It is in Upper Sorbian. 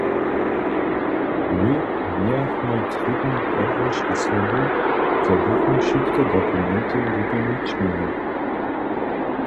Mój mějachmoj trěbne podłožki sobu, zo bychmy wšitke dokumenty wupjelnić móhli.